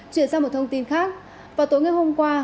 chuyển sang một thông tin khác vào tối ngày hôm qua